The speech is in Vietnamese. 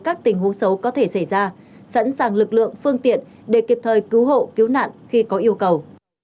các tình huống xấu có thể xảy ra sẵn sàng lực lượng phương tiện để kịp thời cứu hộ cứu nạn khi có yêu cầu